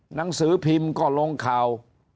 หนังสือพิมพ์ก็ลงข่าว